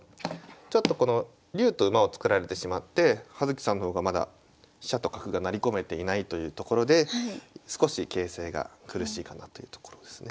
ちょっとこの竜と馬を作られてしまって葉月さんの方がまだ飛車と角が成り込めていないというところで少し形勢が苦しいかなというところですね。